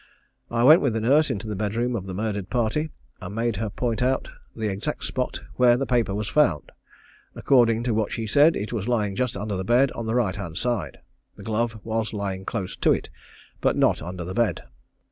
I went with the nurse into the bed room of the murdered party, and made her point out the exact spot where the paper was found. According to what she said it was lying just under the bed on the right hand side. The glove was lying close to it, but not under the bed.